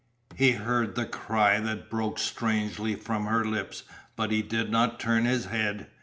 He heard the cry that broke strangely from her lips but he did not turn his head.